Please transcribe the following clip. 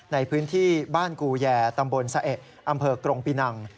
ในพื้นที่บ้านกูแยตำบลสะเอะอำเภอกรงปีนัง